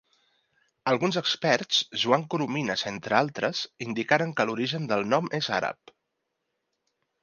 Alguns experts, Joan Coromines entre altres, indicaren que l’origen del nom és àrab.